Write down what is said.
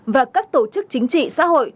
và các tổ chức chính trị xã hội